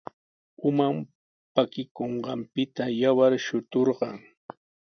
Uman pakikunqanpita yawar shuturqan.